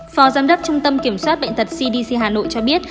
phó giám đốc trung tâm kiểm soát bệnh tật cdc hà nội cho biết